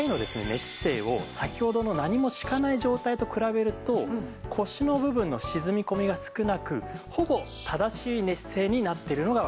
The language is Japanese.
寝姿勢を先ほどの何も敷かない状態と比べると腰の部分の沈み込みが少なくほぼ正しい寝姿勢になってるのがわかります。